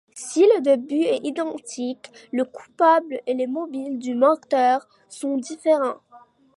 Si le début est identique, le coupable et le mobile du meurtre sont différents.